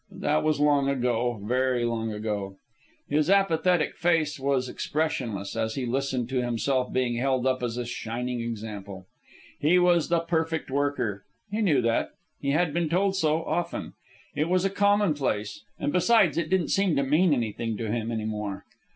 but that was long ago, very long ago. His apathetic face was expressionless as he listened to himself being held up as a shining example. He was the perfect worker. He knew that. He had been told so, often. It was a commonplace, and besides it didn't seem to mean anything to him any more.